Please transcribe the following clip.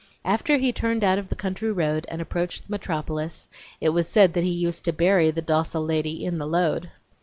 After he turned out of the country road and approached the metropolis, it was said that he used to bury the docile lady in the load.